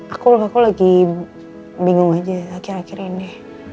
aku lagi bingung aja akhir akhir ini